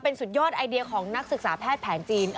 เป็นสุดยอดไอเดียของนักศึกษาแพทย์แผนจีน